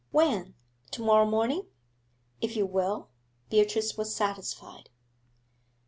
'When? To morrow morning?' 'If you will.' Beatrice was satisfied.